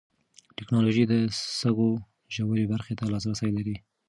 ټېکنالوژي د سږو ژورې برخې ته لاسرسی لري.